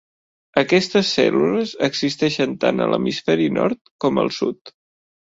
Aquestes cèl·lules existeixen tant a l'hemisferi nord com al sud.